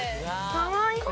かわいい！